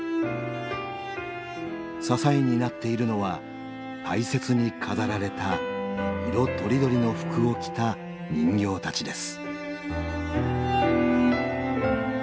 支えになっているのは大切に飾られた色とりどりの服を着た人形たちです。